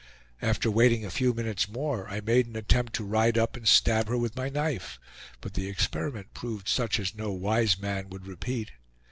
After waiting a few minutes more, I made an attempt to ride up and stab her with my knife; but the experiment proved such as no wise man would repeat.